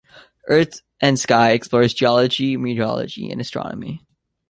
Earth and Sky explores geology, meteorology and astronomy.